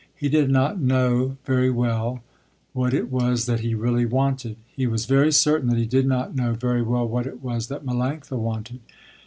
He did not know very well what it was that he really wanted. He was very certain that he did not know very well what it was that Melanctha wanted.